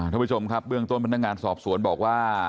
ท่านผู้ชมครับเบื้องต้นพนักงานสอบสวนบอกว่า